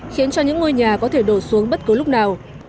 khiến cho những ngôi nhà có thể đổ xuống bất cứ lúc nào